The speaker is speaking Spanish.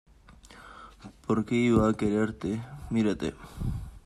¿ Por qué iba a quererte? ¡ mírate!